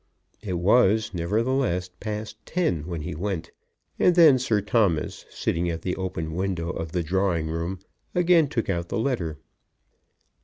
It was, nevertheless, past ten when he went; and then Sir Thomas, sitting at the open window of the drawing room, again took out the letter.